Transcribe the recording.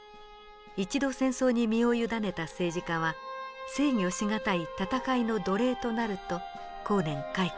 一度戦争に身を委ねた政治家は制御し難い戦いの奴隷となる」と後年回顧しています。